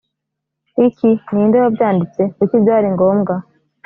iki ni nde wabyanditse kuki byari ngombwa